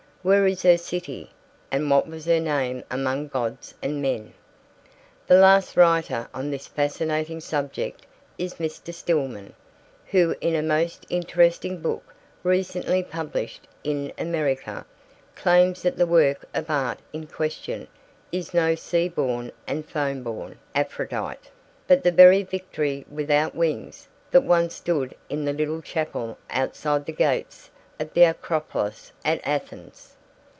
Where is her city and what was her name among gods and men? The last writer on this fascinating subject is Mr. Stillman, who in a most interesting book recently published in America, claims that the work of art in question is no sea born and foam born Aphrodite, but the very Victory Without Wings that once stood in the little chapel outside the gates of the Acropolis at Athens.